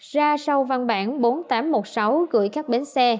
ra sau văn bản bốn nghìn tám trăm một mươi sáu gửi các bến xe